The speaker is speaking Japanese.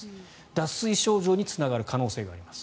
脱水症状につながる可能性があります。